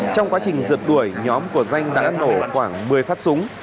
trong quá trình rượt đuổi nhóm của danh đã nổ khoảng một mươi phát súng